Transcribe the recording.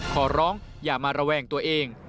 ขอร้องอย่ามาระแวงตัวเอง